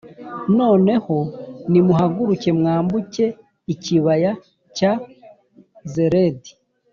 noneho nimuhaguruke mwambuke ikibaya cya zeredi’